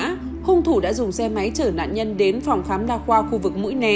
trước đó hung thủ đã dùng xe máy chở nạn nhân đến phòng khám đa khoa khu vực mũi né